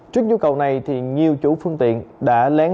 trước nhu cầu này nhiều chủ phương tiện đã lén luyện